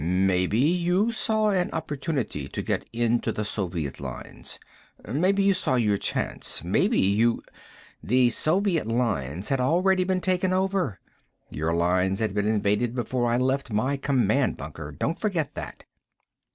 "Maybe you saw an opportunity to get into the Soviet lines. Maybe you saw your chance. Maybe you " "The Soviet lines had already been taken over. Your lines had been invaded before I left my command bunker. Don't forget that."